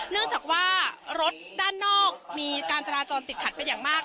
เนื่องจากว่ารถด้านนอกมีการจราจรติดขัดเป็นอย่างมาก